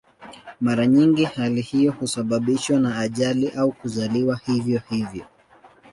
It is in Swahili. Mara nyingi hali hiyo husababishwa na ajali au kuzaliwa hivyo hivyo.